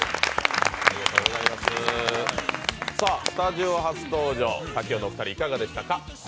スタジオ初登場滝音のお二人、いかがでしたか？